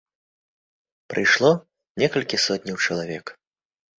Прыйшло некалькі сотняў чалавек.